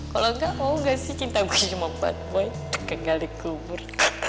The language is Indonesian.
kalau gak mau gak sih cinta gue cuma buat boy kegali kubur